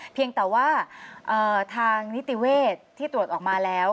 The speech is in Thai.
เพียงแต่ว่าทางนิติเวศที่ตรวจออกมาแล้ว